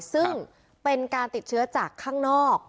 ซึ่งเป็นการติดเชื้อจากข้างนอก